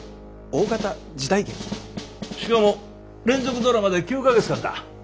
しかも連続ドラマで９か月間だ。